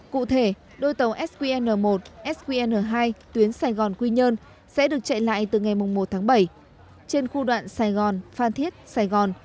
cụ thể đôi tàu sqn một sqn hai tuyến sài gòn quy nhơn sẽ được chạy lại từ ngày một tháng bảy trên khu đoạn sài gòn phan thiết sài gòn